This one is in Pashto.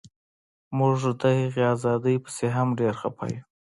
موږ د هغې ازادۍ پسې هم ډیر خفه یو